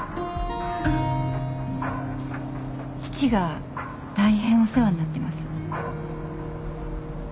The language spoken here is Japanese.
父が大変お世話になってます。